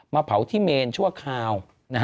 เผาที่เมนชั่วคราว